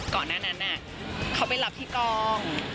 ก่อนหน้านั้นเขาไปรับที่กอง